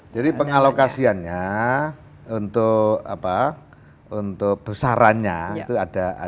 jadi pengalokasiannya untuk besarannya itu ada proporsi